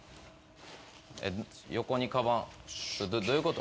横にかばんどういうこと？